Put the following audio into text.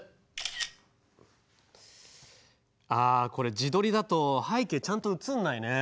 ああこれ自撮りだと背景ちゃんと写んないね。